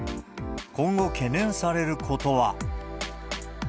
今後、懸念されることは。